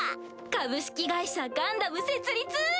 「株式会社ガンダム」設立。